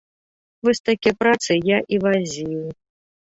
Вось такія працы я і вазіў.